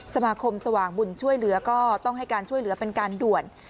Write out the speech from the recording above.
สมาคมสว่างบุญช่วยเหลือก็ต้องให้การช่วยเหลือเป็นการด่วน